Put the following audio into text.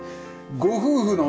ご夫婦のね